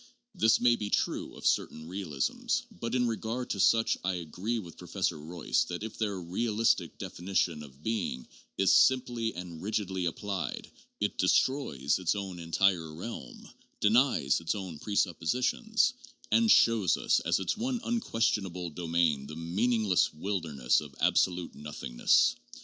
This may be true of certain realisms, but in regard to such I agree with Professor Royce that if their ' realistic definition cf being ' is * simply and rigidly applied,' it ' destroys its own entire realm, denies its own presup positions, and shows us as its one unquestionable domain the meaningless wil derness of absolute nothingness.'